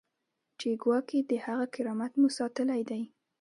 چې ګواکې د هغه کرامت مو ساتلی دی.